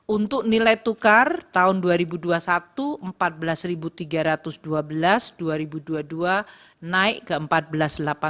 untuk nilai tukar tahun dua ribu dua puluh satu rp empat belas tiga ratus dua belas dua ribu dua puluh dua naik ke rp empat belas delapan ratus